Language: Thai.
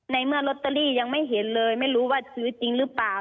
ในเมื่อลอตเตอรี่ยังไม่เห็นเลยไม่รู้ว่าซื้อจริงหรือเปล่า